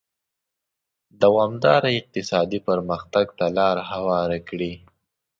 دوامداره اقتصادي پرمختګ ته لار هواره کړي.